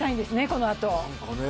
このあと。